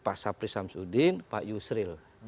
pak sapri samsudin pak yusril